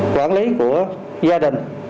quản lý của gia đình